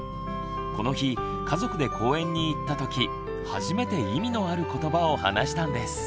この日家族で公園に行った時初めて意味のある言葉を話したんです。